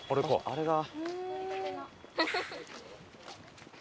あれが。